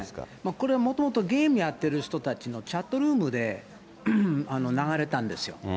これもともとゲームやってる人たちのチャットルームで流れたんですよ。